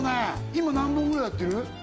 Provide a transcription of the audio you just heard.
今何本ぐらいやってる？